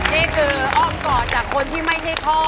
นี่คืออ้อมกอดจากคนที่ไม่ใช่พ่อ